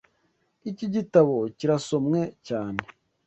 Iki gitabo kirasomwe cyane.